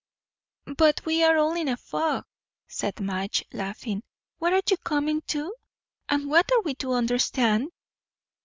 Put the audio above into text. "But we are all in a fog," said Madge, laughing. "What are you coming to? and what are we to understand?"